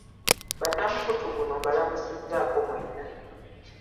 Bannamukutu guno mbalamusizzaako mwenna.